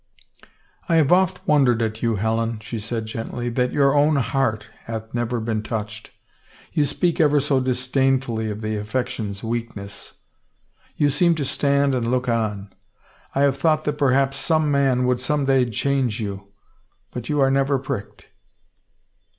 I have oft wondered at you, Helen," she said gently, that your own heart hath never been touched. You speak ever so disdainfully of the affection's weakness. You seem to stand and look on. I have thought that perhaps some man would some day change you, but you are never pricked."